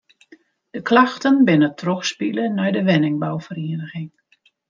De klachten binne trochspile nei de wenningbouferieniging.